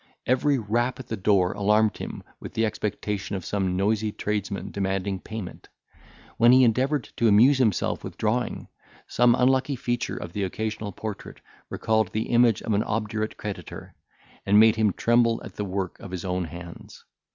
Every rap at the door alarmed him with the expectation of some noisy tradesman demanding payment. When he endeavoured to amuse himself with drawing, some unlucky feature of the occasional portrait recalled the image of an obdurate creditor, and made him tremble at the work of his own hands.